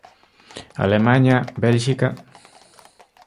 Alemaña, Bélxica...